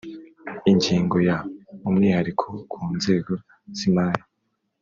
Ingingo ya umwihariko ku nzego z imari